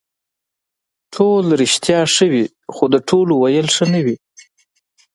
ټول رښتیا ښه وي خو د ټولو ویل ښه نه وي.